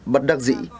bật đặc dị